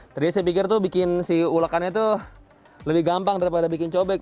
tadi saya pikir tuh bikin si ulekannya tuh lebih gampang daripada bikin cobek